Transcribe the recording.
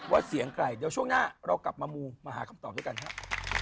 เสียงใครเดี๋ยวช่วงหน้าเรากลับมามูมาหาคำตอบด้วยกันครับ